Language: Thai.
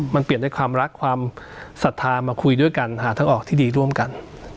มันเปลี่ยนด้วยความรักความศรัทธามาคุยด้วยกันหาทางออกที่ดีร่วมกัน